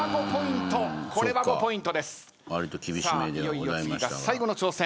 いよいよ次が最後の挑戦。